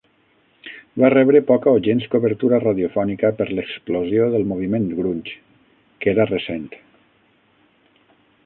Va rebre poca o gens cobertura radiofònica per l'explosió del moviment "grunge", que era recent.